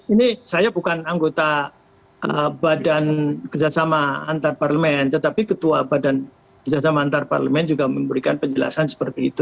ini saya bukan anggota badan kerja sama antarparlemen tetapi ketua badan kerja sama antarparlemen juga memberikan penjelasan seperti itu